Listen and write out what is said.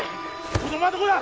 子供はどこだ？